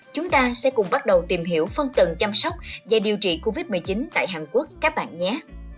chúng ta sẽ cùng bắt đầu tìm hiểu phân tầng chăm sóc và điều trị covid một mươi chín tại hàn quốc các bạn nhé